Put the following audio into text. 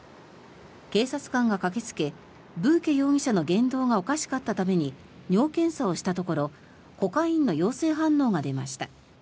警察官が駆けつけブーケ容疑者の言動がおかしかったために尿検査をしたところコカインの陽性反応が出ました。